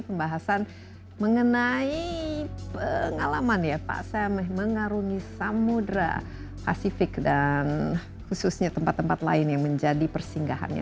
pembahasan mengenai pengalaman ya pak sam mengarungi samudera pasifik dan khususnya tempat tempat lain yang menjadi persinggahannya